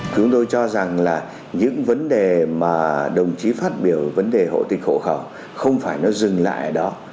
chúng tôi cho rằng là những vấn đề mà đồng chí phát biểu vấn đề hộ tịch hộ khẩu không phải nó dừng lại ở đó